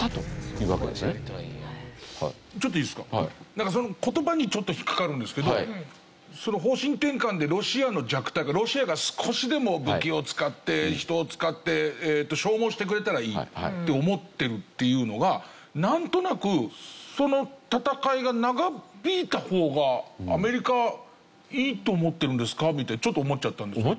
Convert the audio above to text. なんかその言葉にちょっと引っ掛かるんですけどその方針転換でロシアの弱体化ロシアが少しでも武器を使って人を使って消耗してくれたらいいって思ってるっていうのがなんとなくその戦いが長引いた方がアメリカはいいと思ってるんですかみたいにちょっと思っちゃったんですけど。